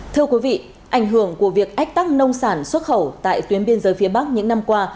thưa quý vị ảnh hưởng của việc ách tắc nông sản xuất khẩu tại tuyến biên giới phía bắc những năm qua